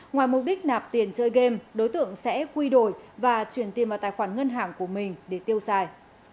ngoài mục đích nạp tiền chơi game đối tượng sẽ quy đổi và chuyển tiền vào tài khoản ngân hàng của mình để tiêu xài